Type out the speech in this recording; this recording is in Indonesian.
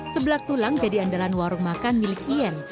sebelak tulang jadi andalan warung makan milik ien